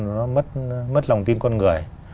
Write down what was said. nó mất lòng tin con người